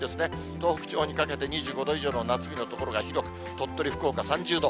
東北地方にかけて２５度以上の夏日の所が多く、鳥取、福岡３０度。